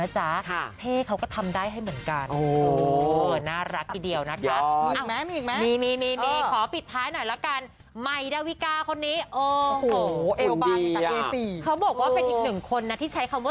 ชิวแบบนี้